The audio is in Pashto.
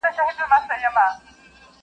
وایم بیا به ګوندي راسي؛